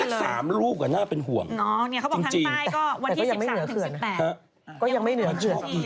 อีกสัก๓รูปกับหน้าเป็นห่วงจริงแต่ก็ยังไม่เหนือเขื่อนนะ